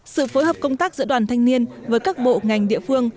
sự phối hợp công tác giữa đoàn thanh niên với các bộ ngành địa phương